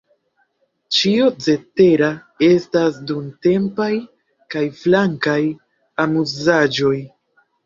Ĉio cetera estas dumtempaj kaj flankaj amuzaĵoj.